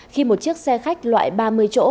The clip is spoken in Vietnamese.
khi một chiếc xe khách loại ba mươi chỗ